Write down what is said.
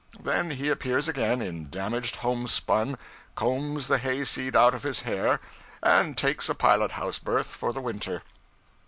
Then he appears again, in damaged homespun, combs the hayseed out of his hair, and takes a pilot house berth for the winter.